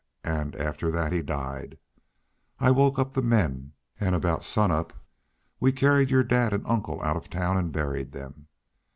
An' after that he died.... I woke up the men, an' aboot sunup we carried your dad an' uncle out of town an' buried them....